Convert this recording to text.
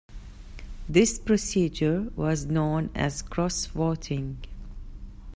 This procedure was known as 'cross-voting'.